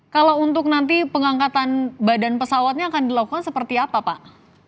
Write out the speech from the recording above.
kalau untuk nanti pengangkatan badan pesawatnya akan dilakukan seperti apa pak